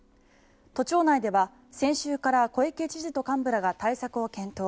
都庁内では先週から小池知事と幹部らが対策を検討。